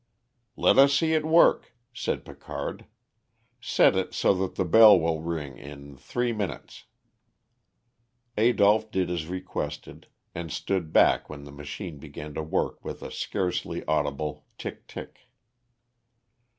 "Let us see it work," said Picard; "set it so that the bell will ring in three minutes." Adolph did as requested, and stood back when the machine began to work with a scarcely audible tick tick.